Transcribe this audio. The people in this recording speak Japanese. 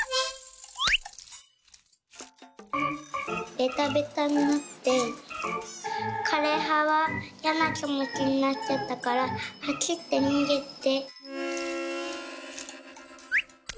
「ベタベタになってかれははいやなきもちになっちゃったからはしってにげて」。